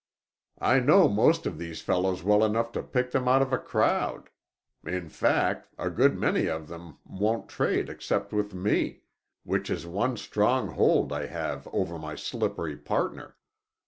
I know most of these fellows well enough to pick them out of a crowd. In fact, a good many of them won't trade except with me—which is one strong hold I have over my slippery partner.